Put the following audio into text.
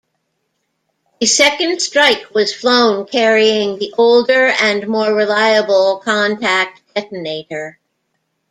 A second strike was flown carrying the older, and more reliable, contact detonator.